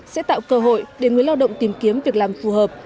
sẽ tạo cơ hội để người lao động tìm kiếm việc làm phù hợp